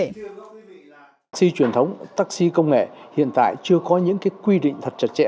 khi truyền thống taxi công nghệ hiện tại chưa có những quy định thật chặt chẽ